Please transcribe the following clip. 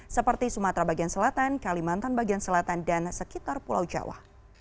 seperti sumatera bagian selatan kalimantan bagian selatan dan sekitar pulau jawa